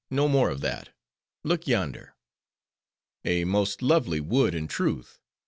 No more of that. Look yonder!" "A most lovely wood, in truth.